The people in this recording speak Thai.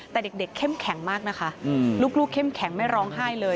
แต่เด็กเข้มแข็งมากนะคะลูกเข้มแข็งไม่ร้องไห้เลย